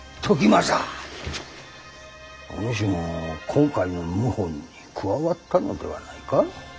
時政おぬしも今回の謀反に加わったのではないか。